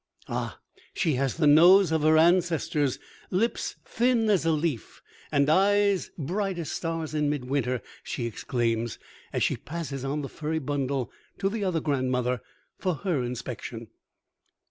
"Ah, she has the nose of her ancestors! Lips thin as a leaf, and eyes bright as stars in midwinter!" she exclaims, as she passes on the furry bundle to the other grandmother for her inspection.